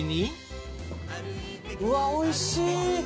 うわおいしい！